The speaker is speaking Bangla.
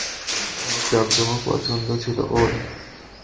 সব জাকজমক পছন্দ ছিলো ওর।